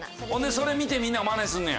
それ見てみんながマネすんねや？